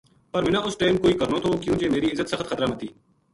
پر مَنا اُس ٹیم کوئی کرنو تھو کیوں جے میری عزت سخت خطرا ما تھی